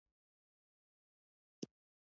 پـورتـه وغورځـېدم ،